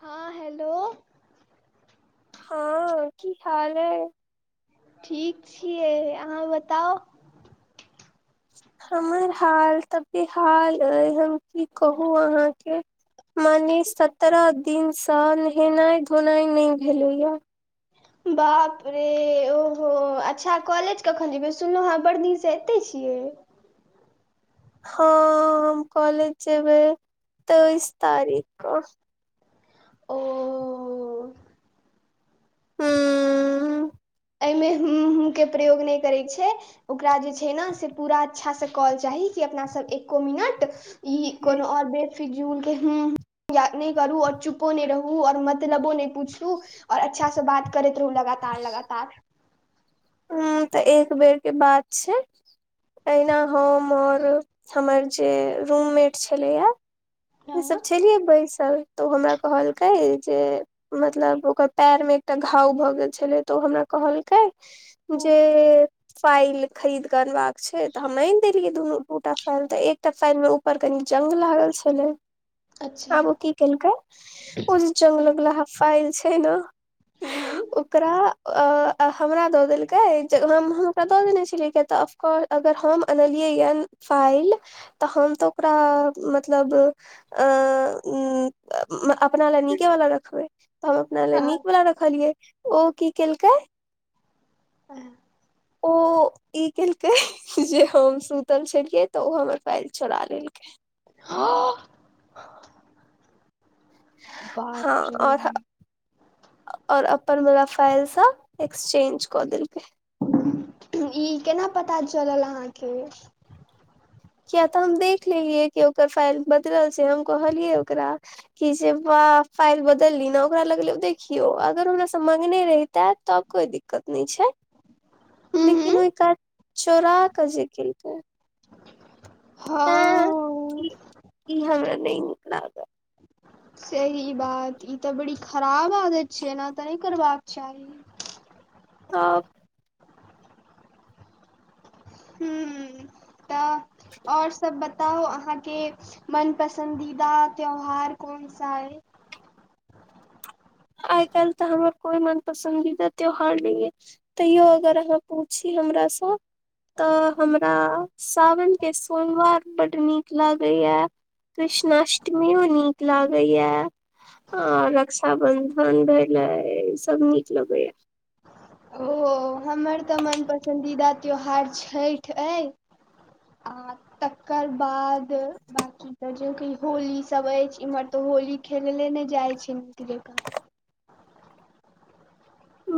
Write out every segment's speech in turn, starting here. हँ हेलो हँ की हाल अय ठीक छियै अहाँ बताउ। हमर हाल तऽ बेहाल अय हम की कहु अहाँके। माने सत्ररह दिनसँ नेहेनाइ धोनाइ नय भेलैए। बाप रे ओहो अच्छा कॉलेज कखन जेबै सुनलौं हें बड़ दिन सँ एतै छियै। हँ हम कॉलेज जेबै तेइस तारीख कऽ। ओ हुँ एहिमे हुँ हुँ के प्रयोग नहि करैक छै ओकरा जे छै न से पूरा अच्छासँ कहल चाही कि अपनासभ एक्को मिनट ई कोनो आओर बे फिजूल के हुँ हुँ याद नहि करू आओर चुपो नहि रहू आओर मतलबो नहि पूछू आओर अच्छासँ बात करैत रहू लगातार लगातार उंम्म तऽ एक बेर के बात छै अहिना हम और हमर जे रूमेट छलैये से सब हँ छेलियै बैसल तऽ ओ हमरा कहलकै जे मतलब ओकर पैर मे एकटा घाव भऽ गेल छलै तऽ ओ हमरा कहलकै जे फाइल खरीद कऽ अनबाक छै तऽ हम आइन दे लियै दुनू दू टा फाइल तऽ एकटा फाइल मे ऊपर कनि जंग लागल छेलै। अच्छा आब ओ की केलकै ओ जे जंग लगलाहा फाइल छै न हूं हूं ओकरा अ आ हमरा दऽ देलकै जब हम हुनका दऽ देने छेलियै किया तऽ अफको अगर हम अनलियै ये फाइल तऽ हम तऽ ओकरा मतलब अ उंम्म अपना लए नीके वाला रखबै तऽ हम अपना ले नीक हँ वला रखलियै ओ की केलकै [inaudible] ओ ई केलकै जे हम सुतल छेलियै तऽ ओ हमर फाइल चोरा लेलकै ह [inaudible] हँ आओर ह आओर अपन बला फाइल स एक्सचेंज कऽ देलकै। ई केना पता चलल अहाँके किये तऽ हम देख लेलियै कि ओकर फाइल बदलल छै हम कहलियै ओकरा। कि छै जे बा फाइल बदली न ओकरा लगले देखियो अगर हमरा स मंगने रहिता तब कोई दिक्कत नय छै हूँ लेकिन हूँ ओहि कात चोरा क जे केलकै तें हँ ई ई हमरा नय नीक लागल सही बात ई त बड़ी खराब आदत छै न एना त नय करबाक चाही तब हूं तऽ आओर सब बत बताउ अहाँके मनपसन्दीदा त्यौहार कौन सा अइ आइ काल्हि तऽ हमरा कोइ मन पसन्दीदा त्यौहार नै एछ तैयो अगर अहाँ पूछि हमरासँ तऽ हमरा सावनके सोमवार बड्ड नीक लागैया कृष्णाअष्टमी ओ नीक लागैया आर रकक्षाबन [unintelligible] सब नीक लगैया ओ हमर तऽ मन पसन्दीदा त्यौहार छठि अइ आ तकर बाद बकी त जे होली सब अछि इमहर तऽ होली खेल ले नय जाइ छै नीक जे कऽ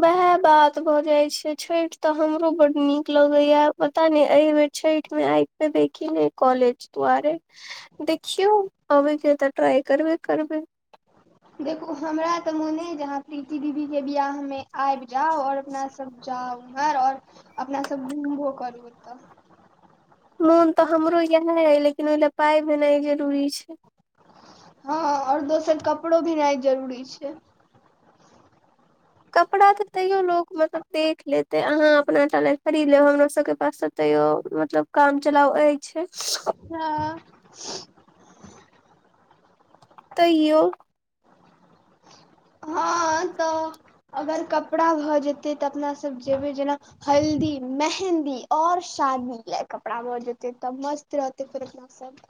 वएह बात भऽ जाय छै छठि तऽ हमरो बड नीक लगैया पता नय ए बेर छैठ मे आइ पे देखिन ने कॉलेज दुआरे देखियौ अबै के तऽ ट्राइ करबे करबै देखु हमरा त मोन यै जे आहाँ प्रीती दीदी के बियाह मे आबि जाउ और अपना सब जाउ ईमहर आओर अपना सब घुमबो करू एतऽ मुन तऽ हमरो इएह अय लेकिन ओहिला पाइ भेनाइ जरूरी छै हँ और दोसर कपड़ो भिनाइ जरूरी छै कपड़ा तऽ तैयो लोक मतलब देख लेतै अहाँ अपना टा ला खरीद लेब हमरा सबके पास तैयो मतलब काम चलाव एछि हँ तैऽ यो हँ तऽ अगर कपड़ा भऽ जेतै तऽ अपना सब जेबै जेना हल्दी मेहन्दी आओर शादी लय कपड़ा भ जेतेै त मस्त रहतै फेर अपना सब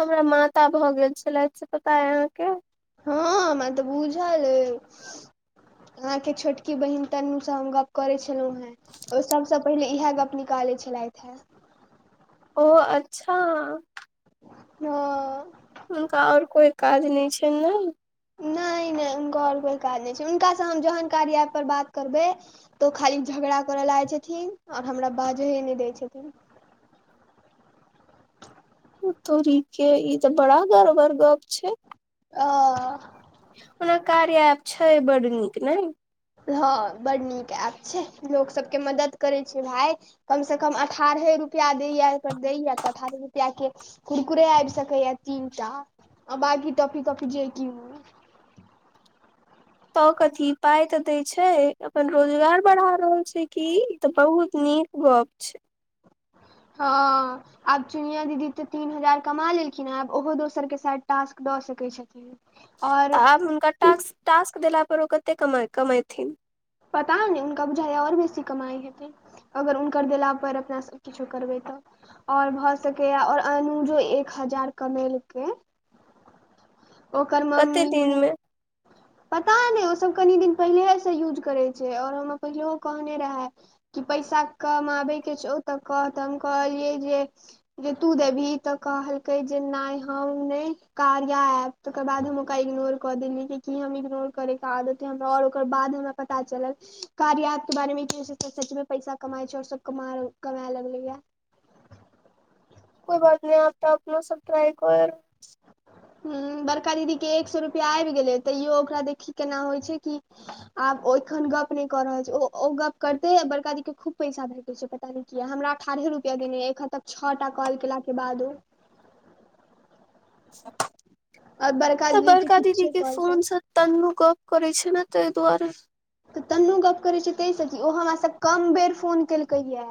हमरा माता भऽ गेल छला से पता य अहाँके हँ मा तऽ बूझल एछ अहाँ के छोटकी बहिन तनु स हम गप्प करै छलहुं हें ओय सभसँ पहिले इएह गप्प निकालै छलथि हे ओ अच्छा ओ हुनका और कोय काज नय छनि नै नय नय हुनका आओर कोय काज नय छैय हुनकासँ हम जहन कार्या एपपर बात करबै तऽ ओ खाली झगड़ा करऽ लागै छथिन और हमरा बाजहे नय दै छथिन ओ तूरी के ई तऽ बड़ा गड़बड़ गप छैय आ ओना कार्या एप छैय बड नीक नैय हँ बड़ नीक ऐप छैह लोक सबके मदद करै छै भाय कम सँ कम अठारहे रुपैआ दैए दैए तऽ अठारहे रुपैयाके कुुरकुरे आबि सकैया तीनटा आ बांकी टाॅफी ताॅफी जे किनु तऽ कथी पाय तऽ देय छै अपन रोजगार बढ़ा रहल छै की ई तऽ बहुत नीक गप छै हँ आब चुनियाँ दीदी तऽ तीन हजार कमा लेलखिन हँ आब ओहो दोसर के शायद टास्क दऽ सकै छथिन। आओर तऽ आब हुनका टास्क - टास्क देला पर ओ कते कमे कमेथिन पता नै हुनका बुझाय ये आओर बेसी कमाइ हेतै अगर हुनकर देला पर अपना सब किछो करबै तऽ आओर भऽ सकैये आओर अनुजो एक हजार कमेलकै ओकर कते मम्मी। दिन मे पता नय ओसभ कनि दिन पहिलेहेसँ यूज करै छै आओर हमरा पहिलहो कहने रेहै कि पैसा कमाबे के छौ तऽ कह तऽ हम कहलियै जे जे तू देबही तऽ कहलकै जे नहि हम नय कार्या एप तकर बाद हम ओकरा इग्नोर कऽ देलियै कि की हम इग्नोर करयके आदत या हमरा ओकर बाद मे हमरा पता चलल कार्या एप के बारे मे कि अइसे तऽ सच मे पैसा कमाय छै आओर सब कमा कमाय लगलै ये। कोइ बात नय आब तऽ अपनो सब ट्राई कए रह हुँ बड़का दीदी के एक सौ रुपया आबि गेलै तैयो ओकरा देखही केना होइ छै कि आब ओ एखन गप नहि कऽ रहल छै ओ ओ गप करते बड़का दी के खूब पैसा भेटै छै पर पता नै किये हमरा अठारहे रुपया देने ये एखन तक छौ टा कॉल केला के बादो और तऽ के बड़का दीदी किछे के कॉल पर फोन स तनु गप करै छै ने तै दुआरे तऽ तन्नू गप्प करै छै तहि सऽ कि ओ हमरा सऽ कम बेर फोन केलकै ये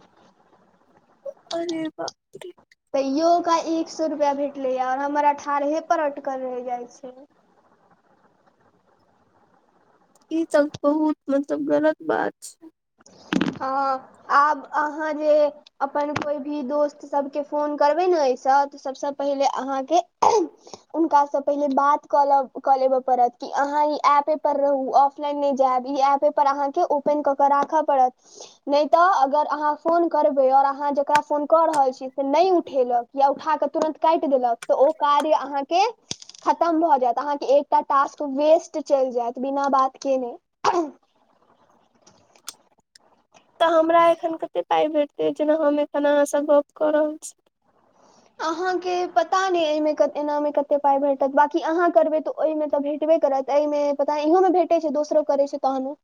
[inaudible] अरे बापरे तैयो ओकरा एक सौ रुपया भेटलै ये आओर हमर अठारहे पर अटकल रहि जाइ छै ई तऽ बहुत मतलब गलत बात छै। हँ आब अहाँ जे अपन कोइ भी दोस्त सभके फोन करबै न एहिसँ तऽ सभसँ पहिले अहाँके हुनकासँ पहिले बात कऽ लब लेब पड़त कि अहाँ ई ऐपे पर रहू ऑफ लाइन नहि जायब ई एपे पर अहाँके ओपेन कऽ के राख पड़त नय तऽ अगर अहाँ फोन करबै आओर अहाँ जेकरा फोन कऽ रहल छी से नै उठेलक या उठा कऽ तुरन्त काटि देलक तऽ ओ कार्य अहाँके खतम भऽ जैत अहाँके एकटा टास्क वेस्ट चलि जैत बिना बात केने। तऽ हमरा एखन कते पाइ भेटतै जेना हम एखन अहाँसँ गप कऽ रहल छी। अहाँके पता नय एहिमे कत एनामे कते पाइ भेटत बाकी अहाँ करबै तऽ ओहिमे तऽ भेटबे करत एहिमे पता इहोमे भेटै छै दोसरो करै छै तहनो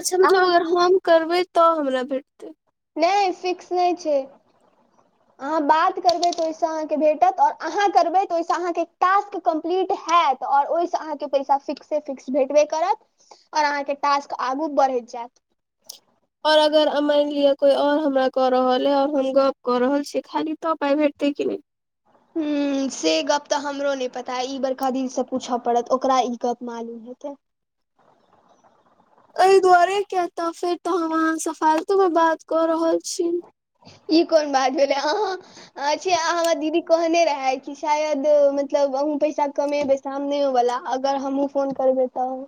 अच्छा मतलब अहाँ अगर हम करबै तऽ हमरा भेटतै नय फिक्स नय छै अहाँ बात करबै तऽ ओहि से अहाँके भेटत आओर अहाँ करबै तऽ ओहिस अहाँके टास्क कम्प्लीट हैत तऽ आओर ओहिसँ अहाँके पैसा फिक्से फिक्स भेटबे करत आओर अहाँके टास्क आगू बढ़ैत जेत आओर अगर मानि लिअ कोइ आओर हमरा कऽ रहल हय आओर हम गप कऽ रहल छियै खाली तऽ पाइ भेटतै की नय हुँ से गप तऽ हमरो नय पता ई बड़का दी से पूछऽ पड़त ओकरा ई गप मालूम हेतै। एहि दुआरे किये तऽ फेर तऽ हम अहाँ स फालतू मे बात कऽ रहल छी। ई कोन बात भेलै अहाँ अछे आ हमर दीदी कहने रहै कि शायद मतलब अहूँ पैसा कमेबै सामनेओवला अगर हमहु फोन करबै तऽ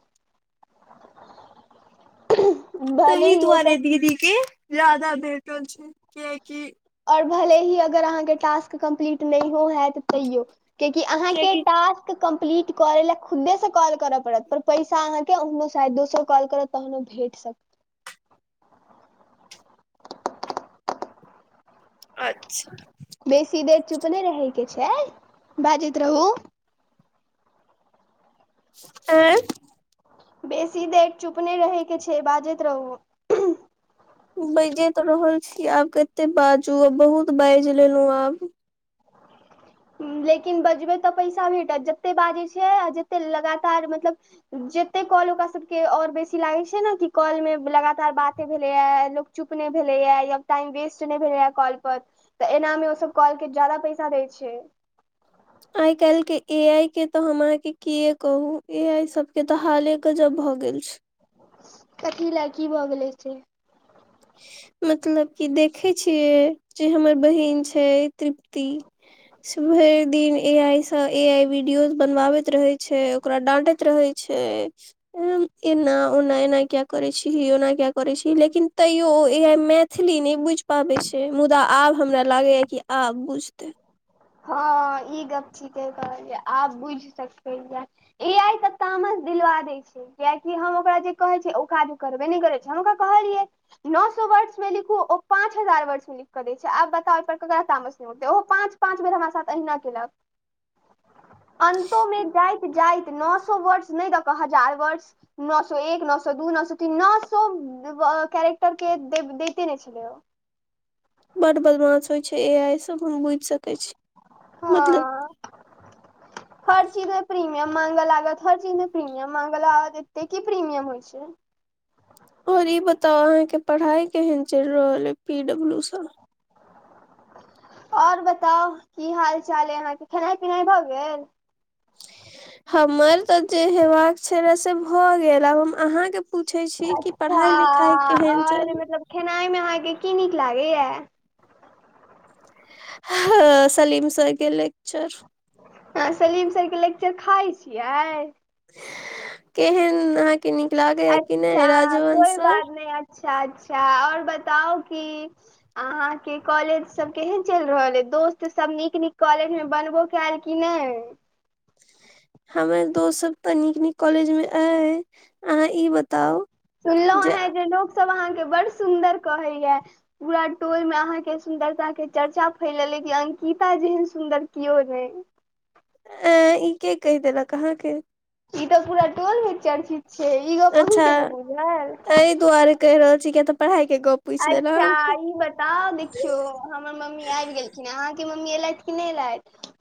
[inaudible] [unintelligible] तहि ही ओकर दुआरे दीदी केँ ज्यदा भेटल छै कियकि और भले ही अगर अहाँ केँ टास्क कम्प्लीट नहि हैत तैयो। कियाकि अहाँकेँ कियाकि टास कम्प्लीट करै ला खुदे स कॉल करऽ पड़त पर पैसा अहाँ केँ ओहनो शायद दोसर कॉल करत। तहनो भेट सकै। अच्छ बेसी देर चुप नहि रहैकेँ छै बाजैत रहू। [unintelligible] बेसी देर चुपने रहे केँ छै बाजैत रहू बाजै तऽ रहल छी आब कते बाजू आ बहुत बैज लेलै आब। लेकिन बजबै तऽ पैसा भेटत जते बाजै छ जतेक लगातार मतलब जते कॉल ओकरा सभके ओर बेसी लागैत छै न कि कॉल मे लगातार बाते भेलैए लोक चुप नहि भेलैए या टाइम वेस्ट नहि भेलैए कॉल पर तऽ एना मे ओ सब कॉल केँ जादा पैसा दै छै। आइ काइल केँ ए आई केँ तऽ हम अहाँकेँ किए कहू ए आई सब केँ तऽ हाले गजब भऽ गेल छै। कथी लए की भऽ गेले से मतलब की देखे छियै जे हमर बहिन छै तृप्त। सुबहे दिन ए आई स ए आई वीडियो बनवावैत रहे छै। ओकरा डंटैत रहै छै। एना ओना एना किया करै छी ओना किया करै छी लेकिन। तैयो उऽ ए आइ मैथिली नहि बुझि पाबै छै मुदा आब हमरा लागैए कि आब बुझतै। हँ हँ ई गप थिके कहल जै आब बुझि सकै या ए आइ तऽ तामस दिलवा दै छै। कियकि हम ओकरा जे कहै छियै ओ काज करबे नहि करै छै हम ओकरा कहलियै नओ सौ वर्डस म लिखू ओ पाँच हजार वर्डस म लिख कऽ दै छै आब बताउ ओ पर ककरा तामस नहि होतै ओ पाँच पाँच बेर हमरा साथ अहिना केलक [inaudible] अन्तो मे जाइत जाइत नओ सौ वर्डस नहि द कऽ हजार वर्डस नओ सौ एक नओ सौ दू नओ सौ तीन नओ सौ [unintelligible] कारेक्टर केँ देब दैते नै छलै ओ बड बदमास होइ छै ए आइ सब हम बुझि सकै छी मतलब हँ [inaudible] हर चीज म प्रीमियम मांगे लागत हर चीज म प्रीमियम मांगे लागत एते की प्रीमियम होइ छै? और इ बताउ अहाँकेँ पढ़ाई केहन चैक रहल ह पी डब्लू सऽ और बताउ की हाल चाल य यहाँ केँ खेनाइ पिनाइ भए गेल? हमर तऽ जे हेबाक छलए से भऽ गेल आब हम अहाँ केँ पूछै छी कि पढ़ाई लिखाइ हँ केहन और चलै मतलब खेनाइ मे अहाँकेँ की नीक लागैय [unintelligible] सलीम सरके लेेक्चर अहाँ सलीम सर केँ लेक्चर खाइ छियै [inaudible] केहन अहाँ केँ नीक लागे य कि नहि राजवंश सर अच्छ अच्छ ओर बताउ की अहाँकेँ कॉलेज सब केहन चैल रहल ह दोस्त सब नीक निक कॉलेज में बनबो [unintelligible] हमर दोस्त सब तऽ नीक नीक कॉलेज मे अय अहाँ ई बताउ सुनलहु हे जे लोक सब अहाँकेँ बड़ सुंन्दर कहे य पूरा टोल मे अहाँकेँ सुन्दरता केँ चर्चा फैलल यऽ की अंकिता जेहन सुन्दर केओ नहि ऐ ई केय कहि देलक अहाँकेँ ई तऽ पूरा टोल मे चर्चित छै ई गप अही अच्छा केँ नय बुझल एहि दआरे कहि रहल छी तऽ पढ़ाइ केँ गप पूछि अच्छा देलहुँ ई बताउ देखियौ हमर मम्मी आबि गेलखिन, अहाँकेँ मम्मी ऐलैथ कि नय ऐलैथ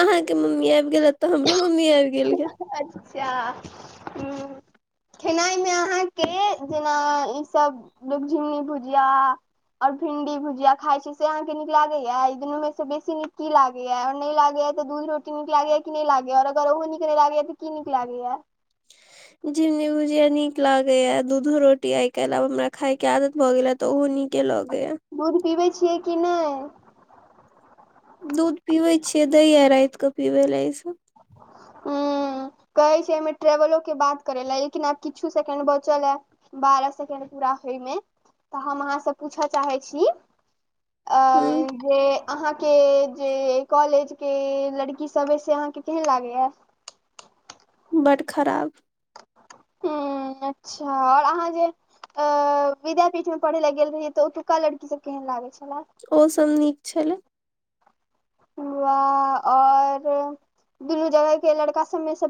अहाँकेँ मम्मी आबि गेलैथ तऽ हमरो मम्मी आबि गेल गे एलथि अच्छा हुँ खेनाइ मे अहाँकेँ जेना ईसभ लुझि भुजिया आओर भिंडी भुजिया खई छी से अहाँकेँ नीक लागै य ई दुनू मे से बेसी नीक की लाग य आ नैय लागैय तऽ दूध रोट नीक लागैय य कि नय लागैया आओर अगर उहो नीक नय लागैय य तऽ की नीक लागैय य झिमनी भुझिया नीक लागेया, दूधो रोटी आई काल्हि आब हमरा खाय केँ आदत भए गेला तऽ उ नीकेँ लगेय य दूध पीबै छियै कि नय दूध पीबै छियै। दै य राइत कऽ पीबे लऽ ई सब हुँ कहै छै एहिमे ट्रेवलो केँ बात करे लऽ लेकिन आब किछु सेकेंड बचल य बारह सेकेंड पूरा होयमे तऽ हम अहाँ से पूछय चाहै छी अ ह जे अहाँकेँ जे कॉलेज केँ लड़की सभ यऽ से अहाँकेँ केहैन लागे य बड्ड खराब हुँ अच्छा आओर अहाँ जे अ विद्यापीठ मे पढ़े लऽ गेल रहियै तऽ ओतुका लड़की सब केहेन लागे छलै ओ सब नीक छलै वा आओर दुनू जगह केँ लड़का सबमे सब